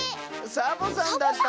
サボさんだったのか。